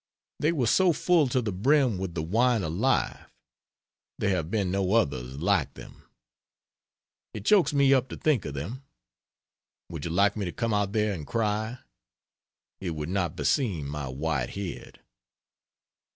They were so full to the brim with the wine of life; there have been no others like them. It chokes me up to think of them. Would you like me to come out there and cry? It would not beseem my white head.